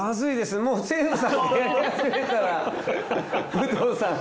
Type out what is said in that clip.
武藤さん。